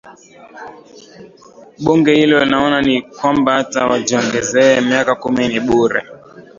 bunge hilo naona ni kwamba hata wajiongezee miaka kumi ni bure